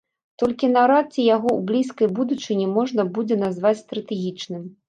Толькі наўрад ці яго ў блізкай будучыні можна будзе назваць стратэгічным.